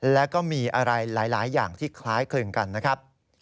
และก็มีอะไรหลายอย่างที่คล้ายคลึงกันนะครับ